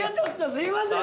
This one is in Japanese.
すいません。